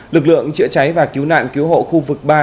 lực lượng chữa cháy và cứu nạn cứu hộ khu vực ba